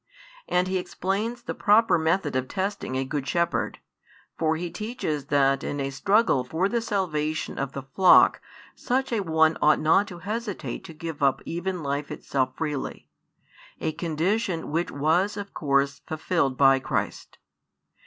And He explains the proper method of testing a good shepherd, for He teaches that in a struggle for the salvation of the flock such a one ought not to hesitate to give up even life itself freely, a condition which was of course fulfilled by Christ.